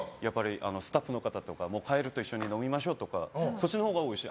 スタッフの方とか帰ると、一緒に飲みましょうとかそっちのほうが多いし